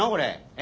え？